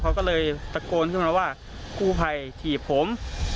เขาก็เลยตะโกนขึ้นมาว่ากู้ภัยถีบผม